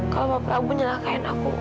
kalau pak prabu mencelakai anakku